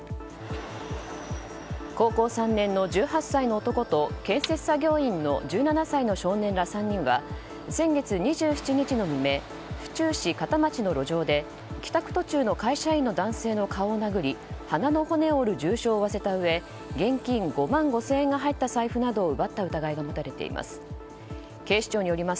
高校３年の１８歳の男と建設作業員の１７歳の少年ら３人は先月２７日の未明府中市片町の路上で帰宅途中の会社員の男性の顔を殴り鼻の骨を折る重傷を負わせたうえ現金５万５０００円が入った財布などを奪った疑いが持たれています。